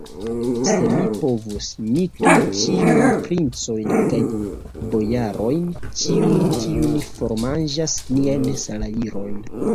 Se mi povus, mi tuj ĉiujn princojn kaj bojarojn, ĉiujn, kiuj formanĝas nian salajron.